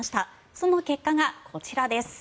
その結果がこちらです。